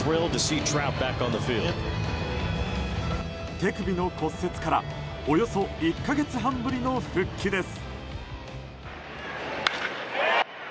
手首の骨折からおよそ１か月半ぶりの復帰です。